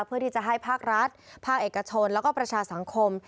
เพื่อที่จะให้ภาครัฐภาคเอกชนแล้วก็ประชาสังคม